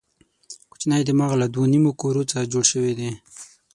کوچنی دماغ له دوو نیمو کرو څخه جوړ شوی دی.